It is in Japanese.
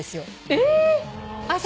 えっ！